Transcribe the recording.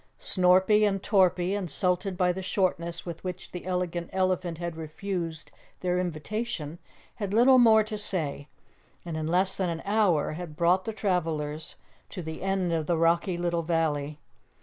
Snorpy and Torpy, insulted by the shortness with which the Elegant Elephant had refused their invitation, had little more to say, and in less than an hour had brought the travelers to the end of the rocky little valley.